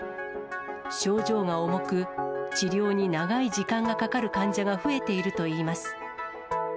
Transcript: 症状が重く、治療に長い時間がかかる患者が増えているといいます。